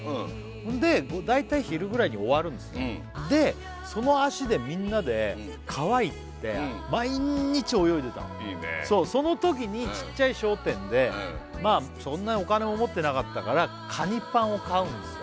そんで大体昼ぐらいに終わるんですねでその足でみんなで川行って毎日泳いでたのいいねそのときにちっちゃい商店でまあそんなにお金も持ってなかったからかにぱんを買うんですよ